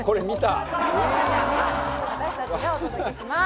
私たちがお届けします。